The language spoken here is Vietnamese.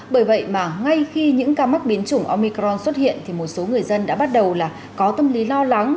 bởi vậy mà ngay khi những ca mắc biến chủng omicron xuất hiện thì một số người dân đã bắt đầu là có tâm lý lo lắng